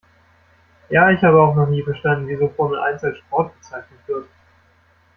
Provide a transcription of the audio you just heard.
Ja, ich habe auch nie verstanden wieso Formel eins als Sport bezeichnet wird.